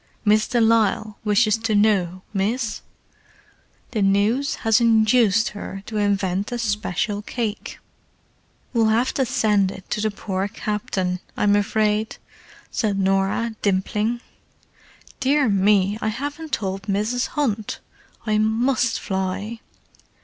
"Miss de Lisle wishes to know, miss. The news 'as induced 'er to invent a special cake." "We'll have to send it to the poor Captain, I'm afraid," said Norah, dimpling. "Dear me, I haven't told Mrs. Hunt! I must fly!"